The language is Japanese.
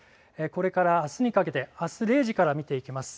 これからあすにかけて、あす０時から見ていきます。